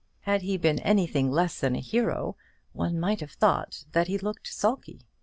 Had he been anything less than a hero, one might have thought that he looked sulky.